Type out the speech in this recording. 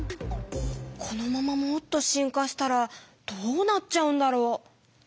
このままもっと進化したらどうなっちゃうんだろう？